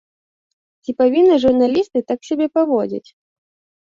Ці павінны журналісты так сябе паводзіць?